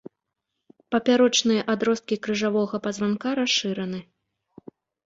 Папярочныя адросткі крыжавога пазванка расшыраны.